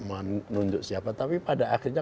menunjuk siapa tapi pada akhirnya